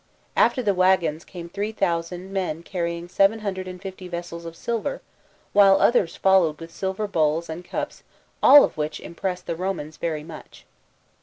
After the waggons came three thousand men carrying seven hundred and fifty vessels of silver, while others followed with silver bowls and cups all of which impressed the Romans very much.